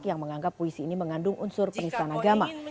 yang menganggap puisi ini mengandung unsur penistaan agama